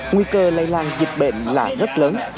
nguy cơ lây lan dịch bệnh là rất lớn